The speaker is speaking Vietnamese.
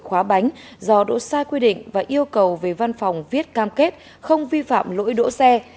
khóa bánh do đỗ sai quy định và yêu cầu về văn phòng viết cam kết không vi phạm lỗi đỗ xe